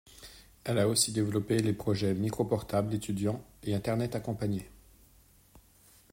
Elle a aussi développé les projets Micro-portable étudiant et Internet accompagné.